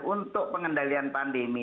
untuk pengendalian pandemi